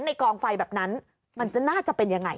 กองไฟแบบนั้นมันจะน่าจะเป็นยังไง